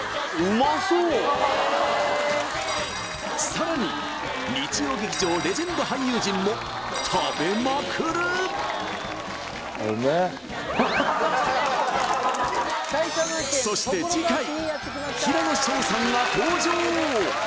さらに日曜劇場レジェンド俳優陣も食べまくるそして次回はっ！